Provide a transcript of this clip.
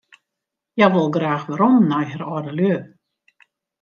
Hja wol graach werom nei har âldelju.